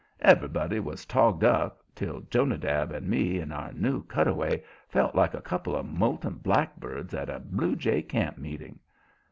Everybody was togged up till Jonadab and me, in our new cutaways, felt like a couple of moulting blackbirds at a blue jay camp meeting.